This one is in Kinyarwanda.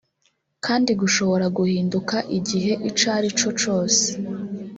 kandi gushobora guhinduka igihe icarico cose